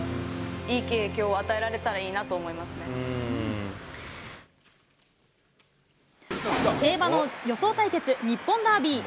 いい影響を与えられたらいいなと競馬の予想対決、日本ダービー。